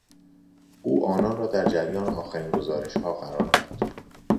او آنان را در جریان آخرین گزارشها قرار داد.